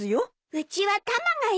うちはタマがいるし。